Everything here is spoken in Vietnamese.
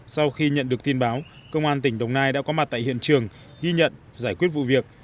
sau khi nhận được tin báo công an tỉnh đồng nai đã có mặt tại hiện trường ghi nhận giải quyết vụ việc